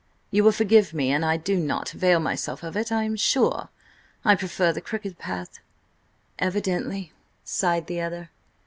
You will forgive me an I do not avail myself of it, I am sure. I prefer the crooked path." "Evidently," sighed the other.